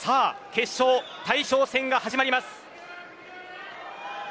決勝、大将戦が始まります。